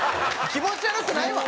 気持ち悪くないわ！